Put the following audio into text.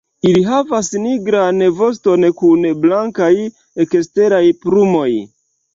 Ili havas nigran voston kun blankaj eksteraj plumoj.